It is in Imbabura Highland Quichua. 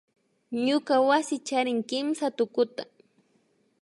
Ñuka wasi charin kimsa tukuta